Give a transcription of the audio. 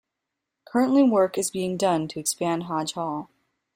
Currently work is being done to expand Hodge Hall.